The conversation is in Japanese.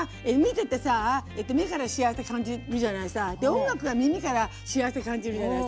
音楽は耳から幸せ感じるじゃないさ。